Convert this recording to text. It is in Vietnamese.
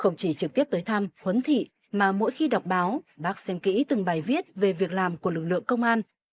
không chỉ trực tiếp tới thăm huấn thị mà mỗi khi đọc báo bác xem kỹ từng bài viết về việc làm của lực lượng công an